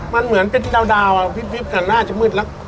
มันเหมือนอัลดีดาว์ตลอดจะมืดแล้ว